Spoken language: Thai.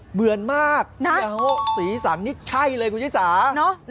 เหมือนมากสีสันนี่ใช่เลยคุณยิสานะครับนะครับ